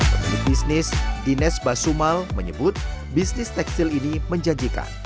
pemilik bisnis dinas basumal menyebut bisnis tekstil ini menjanjikan